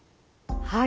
はい。